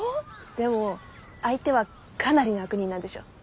でも相手はかなりの悪人なんでしょ？